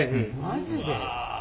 マジで？